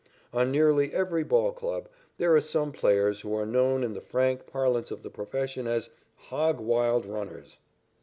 On nearly every ball club, there are some players who are known in the frank parlance of the profession as "hog wild runners."